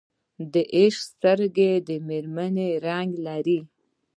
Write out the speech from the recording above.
د عاشق سترګې د مینې رنګ لري